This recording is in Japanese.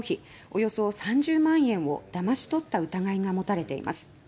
およそ３０万円をだまし取った疑いが持たれています。